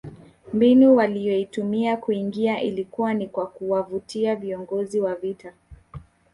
Mbinu waliyoitumia kuingia ilikuwa ni kwa kuwavutia viongozi wa vita